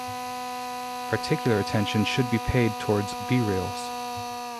Particular attention should be paid towards b-reels.